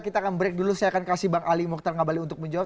kita akan break dulu saya akan kasih bang ali mokhtar ngabali untuk menjawab